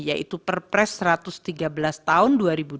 yaitu perpres satu ratus tiga belas tahun dua ribu dua puluh